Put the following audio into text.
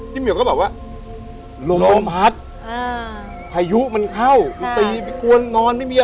เหมียวก็บอกว่าลมลมพัดอ่าพายุมันเข้าคือตีไปกวนนอนไม่มีอะไร